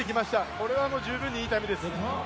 これはもう、十分にいいタイムです。